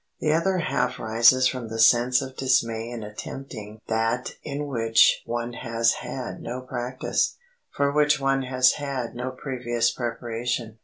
The other half rises from the sense of dismay in attempting that in which one has had no practise, for which one has had no previous preparation.